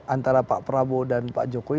antara pak prabowo dan pak jokowi